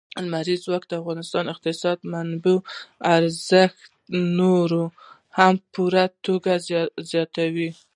لمریز ځواک د افغانستان د اقتصادي منابعم ارزښت نور هم په پوره توګه زیاتوي.